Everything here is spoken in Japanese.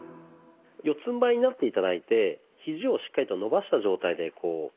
四つんばいになって頂いてひじをしっかりと伸ばした状態でこう。